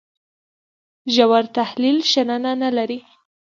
ژور تحلیل شننه نه لري.